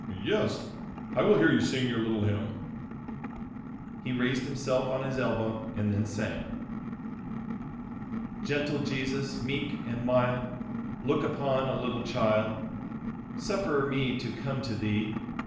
"Yes, I will hear you sing your little hymn." He raised himself on his elbow and then sang: "Gentle Jesus, meek and mild, Look upon a little child; Suffer me to come to Thee.